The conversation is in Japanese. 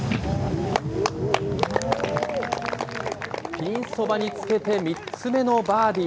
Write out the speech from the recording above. ピンそばにつけて、３つ目のバーディー。